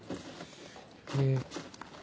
えっと。